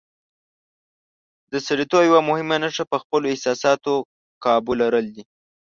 د سړیتوب یوه مهمه نښه په خپلو احساساتو قابو لرل دي.